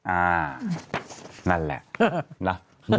อ่านั่นแหละนะ